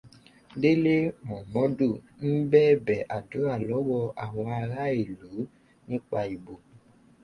Délé Mọ̀mọ́dù ń bẹ̀bẹ̀ àdúrà lọ́wọ́ àwọn ará ìlú nípa ìbò